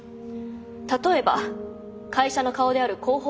例えば会社の顔である広報